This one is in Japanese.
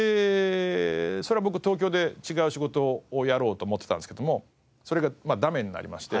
僕東京で違う仕事をやろうと思ってたんですけどもそれがダメになりまして。